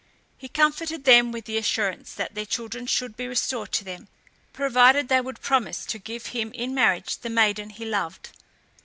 He comforted them with the assurance that their children should be restored to them, provided they would promise to give him in marriage the maiden he loved.